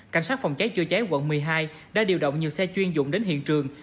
cảnh sát phòng cháy chữa cháy quận một mươi hai đã điều động nhiều xe chuyên dụng đến hiện trường